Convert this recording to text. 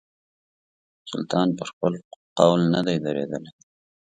سلطان پر خپل قول نه دی درېدلی.